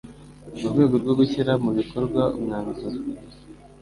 Mu rwego rwo gushyira mu bikorwa umwanzuro